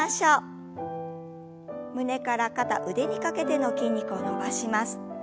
胸から肩腕にかけての筋肉を伸ばします。